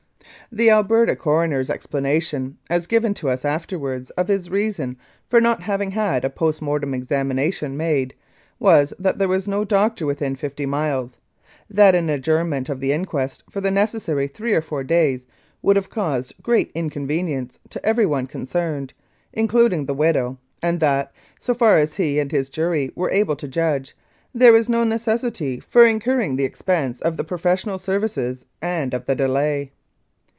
The Alberta coroner's explanation, as given to us afterwards, of his reason for not having had a post mortem examination made, was that there was no doctor within fifty miles, that an adjournment of the inquest for the necessary three or four days would have caused great inconvenience to everyone concerned, including the widow, and that, so far as he and his jury were able to judge, there was no necessity for incurring the expense of the professional services and of the delay.